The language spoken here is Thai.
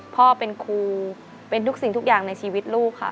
พ่อเป็นครูเป็นทุกสิ่งทุกอย่างในชีวิตลูกค่ะ